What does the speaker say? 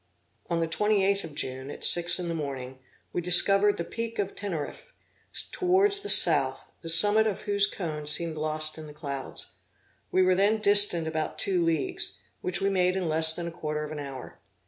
On the 28th of June, at six in the morning, we discovered the Peak of Teneriffe, towards the south, the summit of whose cone seemed lost in the clouds. We were then distant about two leagues, which we made in less than a quarter of an hour.